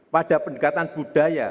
pada pendekatan budaya